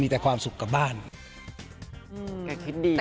มีแค่ความสุขกับบ้านอือแต่คิดดีนะฮะ